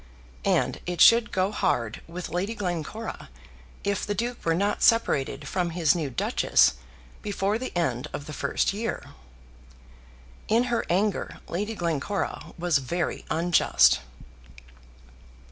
And it should go hard with Lady Glencora, if the Duke were not separated from his new Duchess before the end of the first year! In her anger Lady Glencora was very unjust.